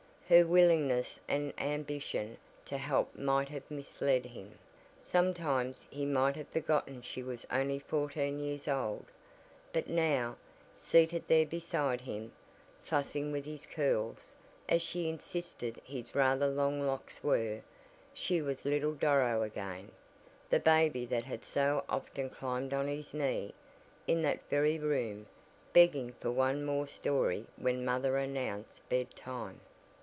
Her willingness and ambition to help might have misled him, sometimes he might have forgotten she was only fourteen years old, but now, seated there beside him, fussing with his "curls," as she insisted his rather long locks were, she was little Doro again, the baby that had so often climbed on his knee, in that very room, begging for one more story when mother announced "bed time."